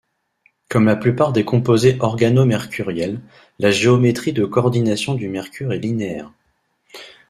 Comme la plupart des composés organomercuriels, la géométrie de coordination du mercure est linéaire.